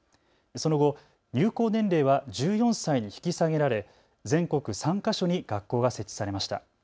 その後、入校年齢は１４歳に引き下げられ全国３か所に学校が設置されました。